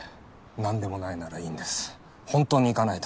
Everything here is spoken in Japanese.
何でもないならいいんです本当に行かないと。